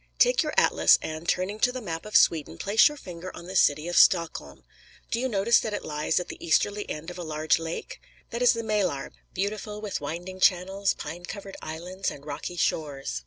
Take your atlas and, turning to the map of Sweden, place your finger on the city of Stockholm. Do you notice that it lies at the easterly end of a large lake? That is the Maelar, beautiful with winding channels, pine covered islands, and rocky shores.